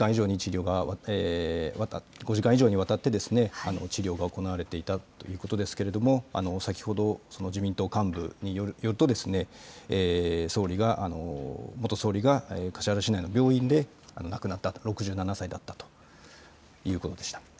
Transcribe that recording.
５時間以上にわたって、治療が行われていたということですけれども、先ほど、自民党幹部によると、元総理が橿原市内の病院で亡くなった、６７歳だったということでした。